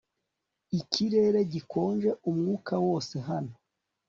Ikirere gikonje umwaka wose hano